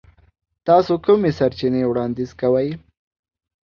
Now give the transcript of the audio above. تاسو کومې سرچینې وړاندیز کوئ؟